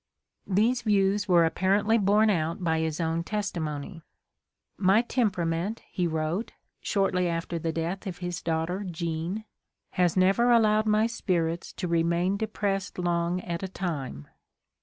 These views were apparently borne out by his own testimony. f"My temperament," he wrote, shortly after the death of his daughter Jean, "has never allowed my spirits to remain depressed long at a time."